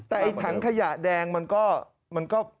แต่ไอ้ถังขยะแดงมันก็